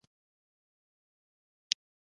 مصنوعي ځیرکتیا د نوښت لپاره نوې لارې پرانیزي.